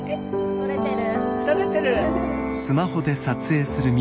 撮れてる。